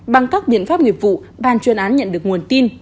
bằng các biện pháp nghiệp vụ ban chuyên án nhận được nguồn tin